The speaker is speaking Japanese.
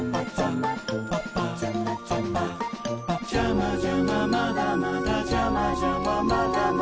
「ジャマジャマまだまだジャマジャマまだまだ」